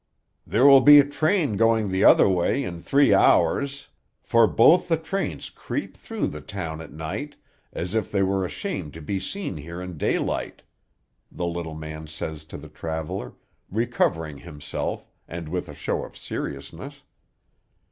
"There will be a train going the other way in three hours, for both the trains creep through the town at night, as if they were ashamed to be seen here in daylight," the little man says to the traveller, recovering himself, and with a show of seriousness.